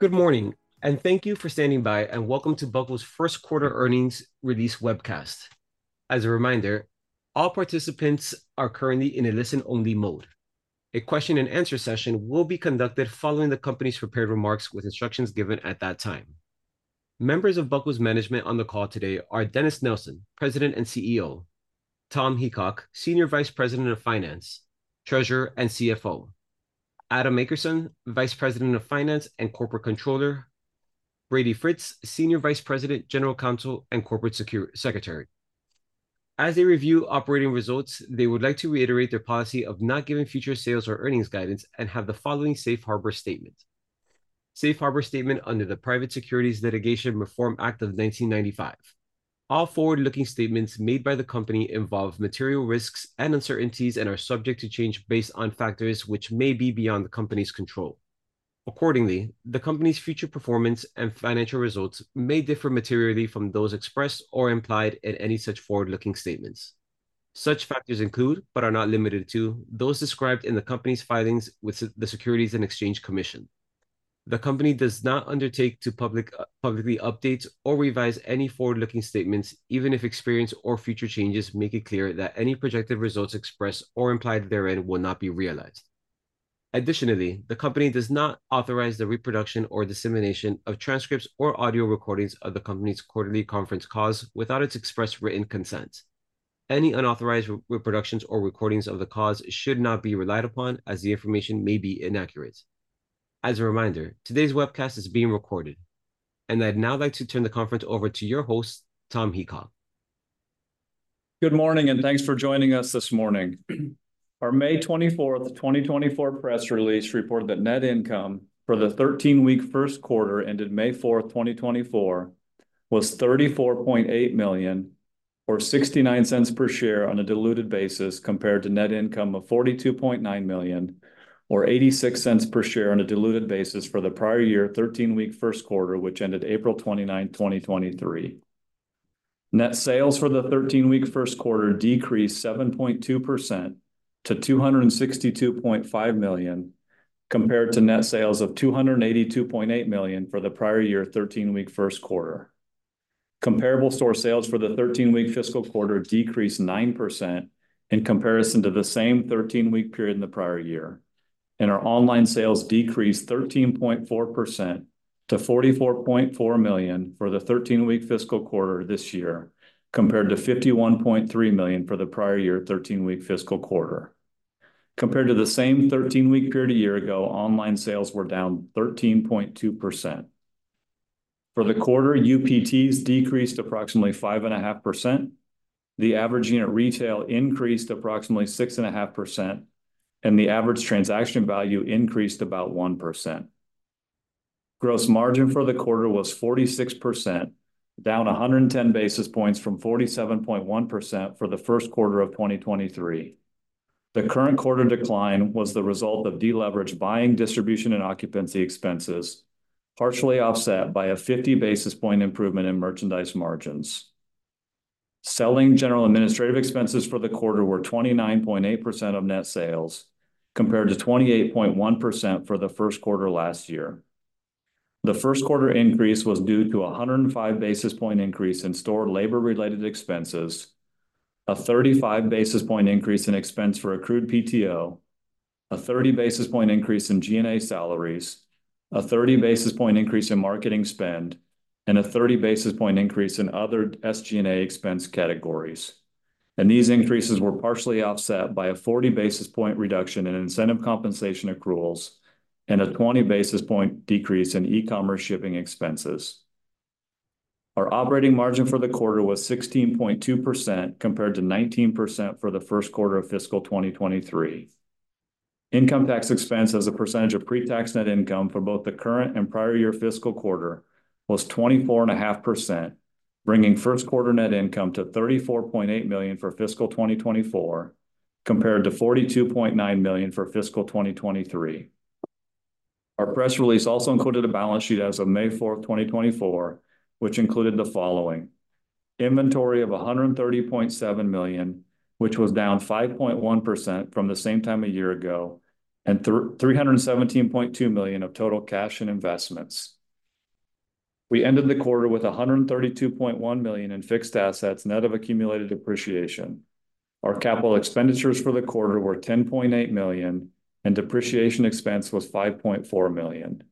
Good morning, and thank you for standing by, and welcome to Buckle's first quarter earnings release webcast. As a reminder, all participants are currently in a listen-only mode. A question and answer session will be conducted following the company's prepared remarks, with instructions given at that time. Members of Buckle's management on the call today are Dennis Nelson, President and CEO; Tom Heacock, Senior Vice President of Finance, Treasurer, and CFO; Adam Akerson, Vice President of Finance and Corporate Controller; Brady Fritz, Senior Vice President, General Counsel, and Corporate Secretary. As they review operating results, they would like to reiterate their policy of not giving future sales or earnings guidance and have the following safe harbor statement. Safe harbor statement under the Private Securities Litigation Reform Act of 1995. All forward-looking statements made by the company involve material risks and uncertainties and are subject to change based on factors which may be beyond the company's control. Accordingly, the company's future performance and financial results may differ materially from those expressed or implied in any such forward-looking statements. Such factors include, but are not limited to, those described in the company's filings with the Securities and Exchange Commission. The company does not undertake to publicly update or revise any forward-looking statements, even if experience or future changes make it clear that any projected results expressed or implied therein will not be realized. Additionally, the company does not authorize the reproduction or dissemination of transcripts or audio recordings of the company's quarterly conference calls without its express written consent. Any unauthorized reproductions or recordings of the calls should not be relied upon, as the information may be inaccurate. As a reminder, today's webcast is being recorded, and I'd now like to turn the conference over to your host, Tom Heacock. Good morning, and thanks for joining us this morning. Our May 24th, 2024 press release reported that net income for the 13-week first quarter ended May 4th, 2024, was $34.8 million, or $0.69 per share on a diluted basis, compared to net income of $42.9 million, or $0.86 per share on a diluted basis for the prior year 13-week first quarter, which ended April 29th, 2023. Net sales for the 13-week first quarter decreased 7.2% to $262.5 million, compared to net sales of $282.8 million for the prior year 13-week first quarter. Comparable store sales for the 13-week fiscal quarter decreased 9% in comparison to the same 13-week period in the prior year, and our online sales decreased 13.4% to $44.4 million for the 13-week fiscal quarter this year, compared to $51.3 million for the prior year 13-week fiscal quarter. Compared to the same 13-week period a year ago, online sales were down 13.2%. For the quarter, UPTs decreased approximately 5.5%, the average unit retail increased approximately 6.5%, and the average transaction value increased about 1%. Gross margin for the quarter was 46%, down 110 basis points from 47.1% for the first quarter of 2023. The current quarter decline was the result of deleveraged buying, distribution, and occupancy expenses, partially offset by a 50 basis points improvement in merchandise margins. Selling, general and administrative expenses for the quarter were 29.8% of net sales, compared to 28.1% for the first quarter last year. The first quarter increase was due to a 105 basis points increase in store labor-related expenses, a 35 basis points increase in expense for accrued PTO, a 30 basis points increase in G&A salaries, a 30 basis points increase in marketing spend, and a 30 basis points increase in other SG&A expense categories. These increases were partially offset by a 40 basis points reduction in incentive compensation accruals and a 20 basis points decrease in e-commerce shipping expenses. Our operating margin for the quarter was 16.2%, compared to 19% for the first quarter of fiscal 2023. Income tax expense as a percentage of pre-tax net income for both the current and prior year fiscal quarter was 24.5%, bringing first quarter net income to $34.8 million for fiscal 2024, compared to $42.9 million for fiscal 2023. Our press release also included a balance sheet as of May 4th, 2024, which included the following: inventory of $130.7 million, which was down 5.1% from the same time a year ago, and $ 317.2 million of total cash and investments. We ended the quarter with $132.1 million in fixed assets, net of accumulated depreciation. Our capital expenditures for the quarter were $10.8 million, and depreciation expense was $5.4 million.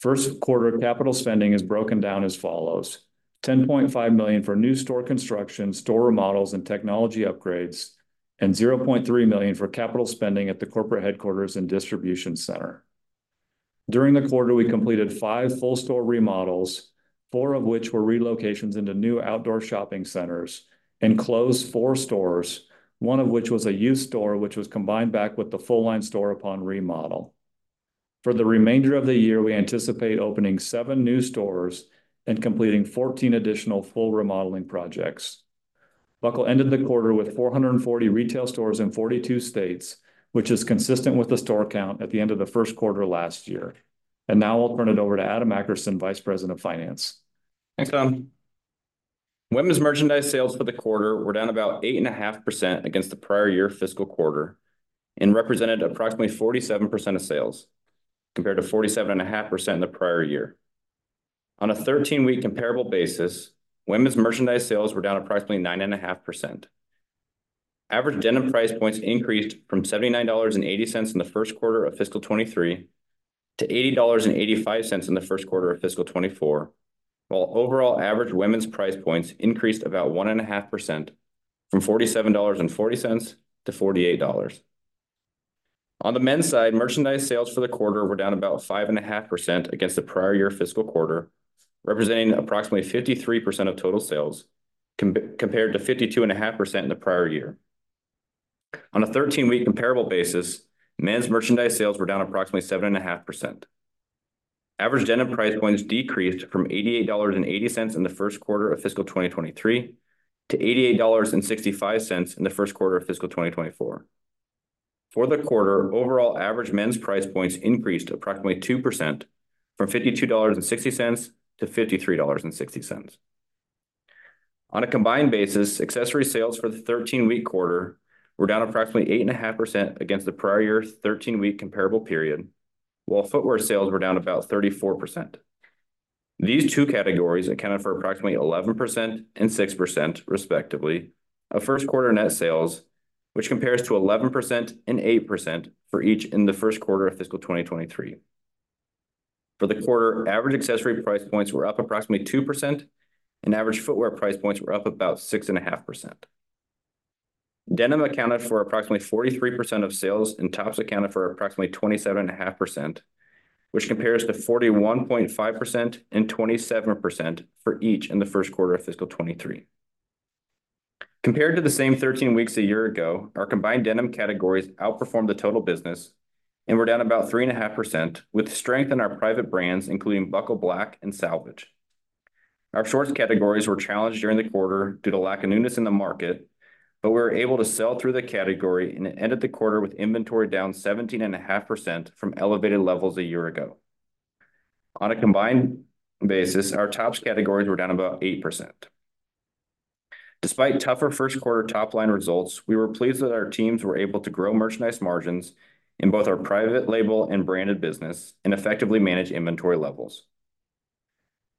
First quarter capital spending is broken down as follows: $10.5 million for new store construction, store remodels, and technology upgrades, and $0.3 million for capital spending at the corporate headquarters and distribution center. During the quarter, we completed five full store remodels, four of which were relocations into new outdoor shopping centers, and closed four stores, one of which was a youth store, which was combined back with the full-line store upon remodel. For the remainder of the year, we anticipate opening seven new stores and completing 14 additional full remodeling projects. Buckle ended the quarter with 440 retail stores in 42 states, which is consistent with the store count at the end of the first quarter last year. Now I'll turn it over to Adam Akerson, Vice President of Finance. Thanks, Tom. Women's merchandise sales for the quarter were down about 8.5% against the prior year fiscal quarter, and represented approximately 47% of sales, compared to 47.5% in the prior year. On a 13-week comparable basis, women's merchandise sales were down approximately 9.5%. Average denim price points increased from $79.80 in the first quarter of fiscal 2023, to $80.85 in the first quarter of fiscal 2024, while overall average women's price points increased about 1.5%, from $47.40 to $48. On the men's side, merchandise sales for the quarter were down about 5.5% against the prior year fiscal quarter, representing approximately 53% of total sales compared to 52.5% in the prior year. On a 13-week comparable basis, men's merchandise sales were down approximately 7.5%. Average denim price points decreased from $88.80 in the first quarter of fiscal 2023, to $88.65 in the first quarter of fiscal 2024. For the quarter, overall average men's price points increased approximately 2%, from $52.60 to $53.60. On a combined basis, accessory sales for the 13-week quarter were down approximately 8.5% against the prior year's 13-week comparable period, while footwear sales were down about 34%. These two categories accounted for approximately 11% and 6%, respectively, of first quarter net sales, which compares to 11% and 8% for each in the first quarter of fiscal 2023. For the quarter, average accessory price points were up approximately 2%, and average footwear price points were up about 6.5%. Denim accounted for approximately 43% of sales, and tops accounted for approximately 27.5%, which compares to 41.5% and 27% for each in the first quarter of fiscal 2023. Compared to the same 13 weeks a year ago, our combined denim categories outperformed the total business and were down about 3.5%, with strength in our private brands, including Buckle Black and Salvage. Our shorts categories were challenged during the quarter due to lack of newness in the market, but we were able to sell through the category and ended the quarter with inventory down 17.5% from elevated levels a year ago. On a combined basis, our tops categories were down about 8%. Despite tougher first quarter top line results, we were pleased that our teams were able to grow merchandise margins in both our private label and branded business, and effectively manage inventory levels.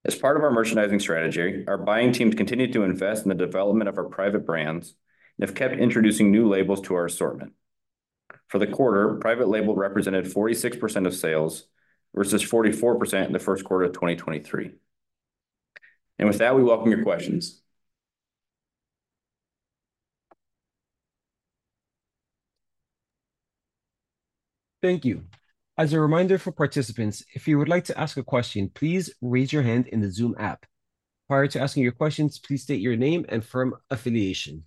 As part of our merchandising strategy, our buying teams continued to invest in the development of our private brands, and have kept introducing new labels to our assortment. For the quarter, private label represented 46% of sales, versus 44% in the first quarter of 2023. With that, we welcome your questions. Thank you. As a reminder for participants, if you would like to ask a question, please raise your hand in the Zoom app. Prior to asking your questions, please state your name and firm affiliation.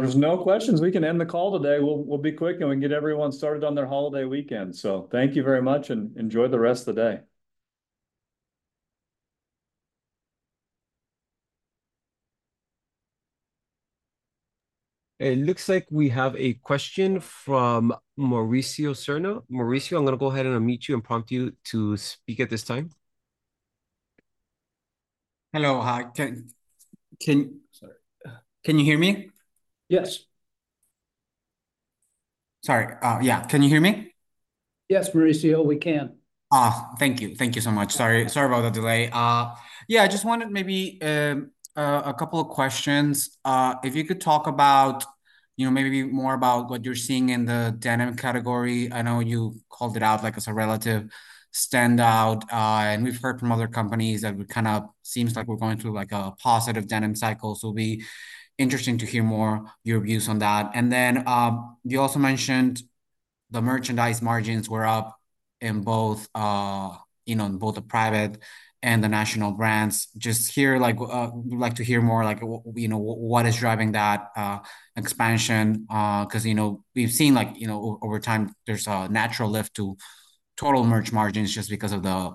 There's no questions. We can end the call today. We'll be quick, and we can get everyone started on their holiday weekend. So thank you very much, and enjoy the rest of the day. It looks like we have a question from Mauricio Serna. Mauricio, I'm gonna go ahead and unmute you and prompt you to speak at this time. Hello. Hi, sorry, can you hear me? Yes. Sorry, yeah. Can you hear me? Yes, Mauricio, we can. Thank you. Thank you so much. Sorry, sorry about the delay. Yeah, I just wanted maybe a couple of questions. If you could talk about, you know, maybe more about what you're seeing in the denim category. I know you called it out, like, as a relative standout, and we've heard from other companies that we kind of seems like we're going through, like, a positive denim cycle. So it'll be interesting to hear more of your views on that. And then, you also mentioned the merchandise margins were up in both, you know, in both the private and the national brands. Just here, like, we'd like to hear more, like, you know, what is driving that expansion? 'Cause, you know, we've seen, like, you know, over time, there's a natural lift to total merch margins just because of the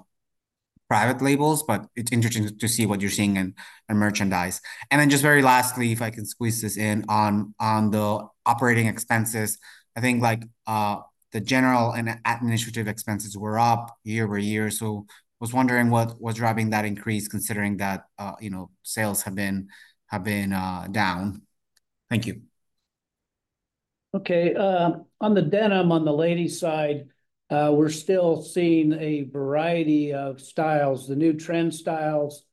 private labels, but it's interesting to see what you're seeing in merchandise. And then just very lastly, if I could squeeze this in on the operating expenses. I think, like, the general and administrative expenses were up year-over-year, so I was wondering what was driving that increase, considering that, you know, sales have been down. Thank you. Okay, on the denim, on the ladies' side, we're still seeing a variety of styles. The new trend styles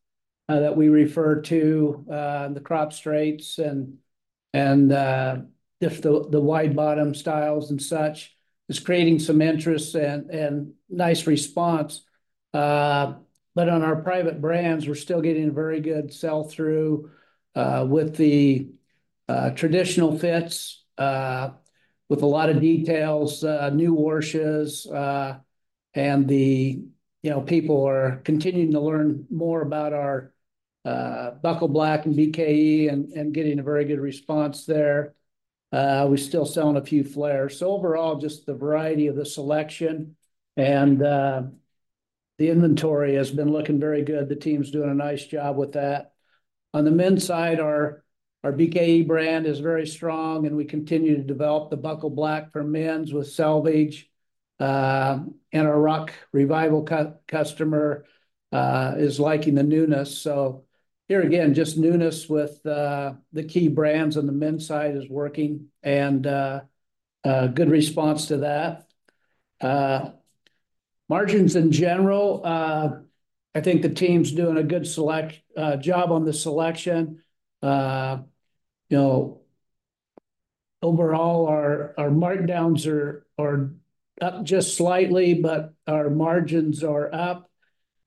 that we refer to, the crop straights and just the wide-bottom styles and such, is creating some interest and nice response. But on our private brands, we're still getting a very good sell-through with the traditional fits with a lot of details, new washes, and, you know, people are continuing to learn more about our Buckle Black and BKE, and getting a very good response there. We're still selling a few flares. So overall, just the variety of the selection and the inventory has been looking very good. The team's doing a nice job with that. On the men's side, our BKE brand is very strong, and we continue to develop the Buckle Black for men's with Salvage. And our Rock Revival customer is liking the newness. So here again, just newness with the key brands on the men's side is working, and a good response to that. Margins in general, I think the team's doing a good job on the selection. You know, overall, our markdowns are up just slightly, but our margins are up,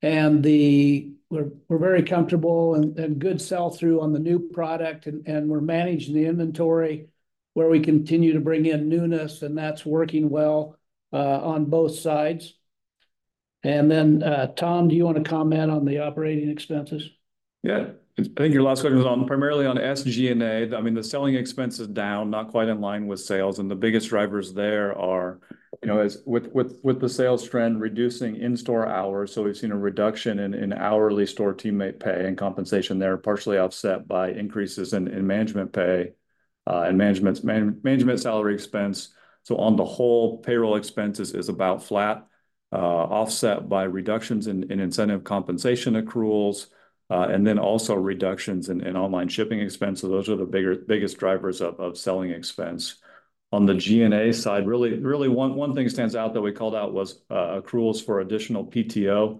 and we're very comfortable and good sell-through on the new product, and we're managing the inventory, where we continue to bring in newness, and that's working well on both sides. And then, Tom, do you want to comment on the operating expenses? Yeah. I think your last question was on, primarily on SG&A. I mean, the selling expense is down, not quite in line with sales, and the biggest drivers there are, you know, as with the sales trend, reducing in-store hours. So we've seen a reduction in hourly store teammate pay and compensation there, partially offset by increases in management pay and management's management salary expense. So on the whole, payroll expenses is about flat, offset by reductions in incentive compensation accruals, and then also reductions in online shipping expenses. Those are the biggest drivers of selling expense. On the G&A side, really one thing stands out that we called out was accruals for additional PTO.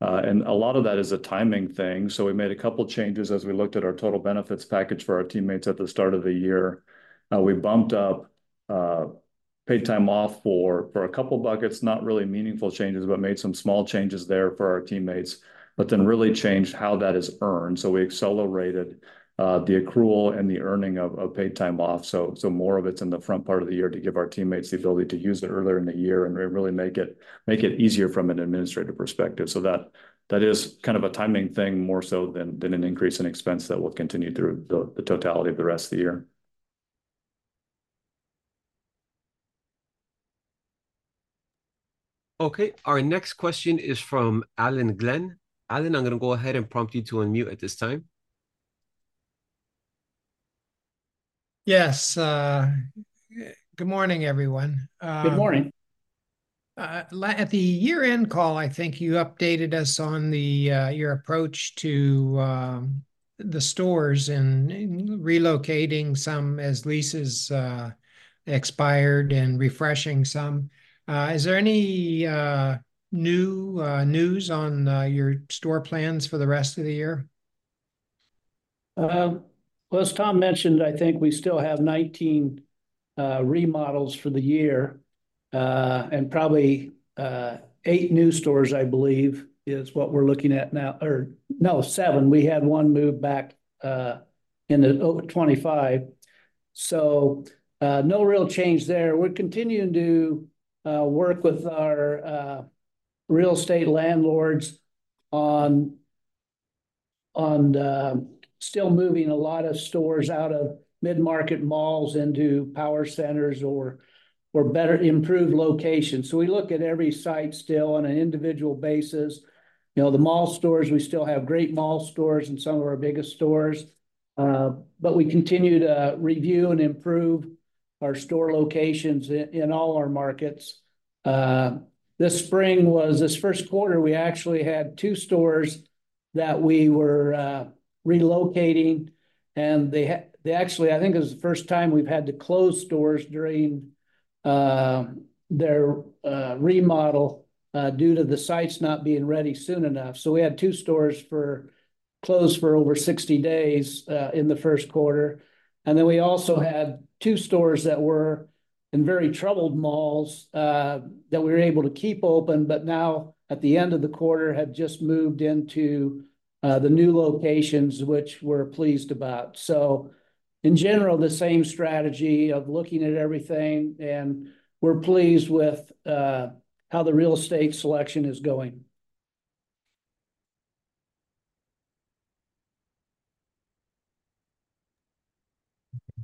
And a lot of that is a timing thing, so we made a couple changes as we looked at our total benefits package for our teammates at the start of the year. We bumped up paid time off for a couple buckets. Not really meaningful changes, but made some small changes there for our teammates, but then really changed how that is earned. So we accelerated the accrual and the earning of paid time off. So more of it's in the front part of the year to give our teammates the ability to use it earlier in the year, and it really make it easier from an administrative perspective. So that is kind of a timing thing, more so than an increase in expense that will continue through the totality of the rest of the year. Okay, our next question is from Alan Glenn. Alan, I'm gonna go ahead and prompt you to unmute at this time. Yes, good morning, everyone. Good morning. At the year-end call, I think you updated us on your approach to the stores and relocating some as leases expired and refreshing some. Is there any new news on your store plans for the rest of the year? Well, as Tom mentioned, I think we still have 19 remodels for the year, and probably eight new stores, I believe, is what we're looking at now. Or no, seven. We had one move back. Oh, 25. So, no real change there. We're continuing to work with our real estate landlords on still moving a lot of stores out of mid-market malls into power centers or better improved locations. So we look at every site still on an individual basis. You know, the mall stores, we still have great mall stores and some of our biggest stores, but we continue to review and improve our store locations in all our markets. This first quarter, we actually had two stores that we were relocating, and they actually, I think, it was the first time we've had to close stores during their remodel due to the sites not being ready soon enough. So we had two stores closed for over 60 days in the first quarter. And then we also had two stores that were in very troubled malls that we were able to keep open, but now at the end of the quarter, have just moved into the new locations, which we're pleased about. So in general, the same strategy of looking at everything, and we're pleased with how the real estate selection is going.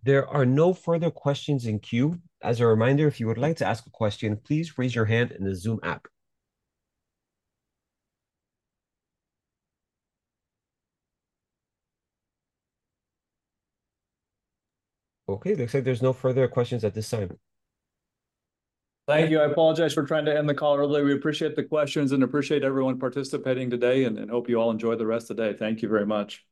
There are no further questions in queue. As a reminder, if you would like to ask a question, please raise your hand in the Zoom app. Okay, looks like there's no further questions at this time. Thank you. I apologize for trying to end the call early. We appreciate the questions and appreciate everyone participating today, and hope you all enjoy the rest of the day. Thank you very much.